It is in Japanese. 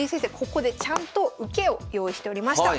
ここでちゃんと受けを用意しておりました。